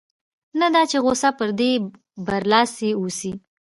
نه دا چې غوسه پر ده برلاسې اوسي.